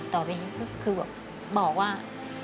ต่อไปก็คือบอกว่า